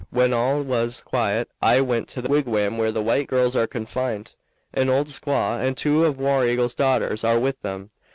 When all was quiet I went to the wigwam where the white girls are confined. An old squaw and two of War Eagle's daughters are with them.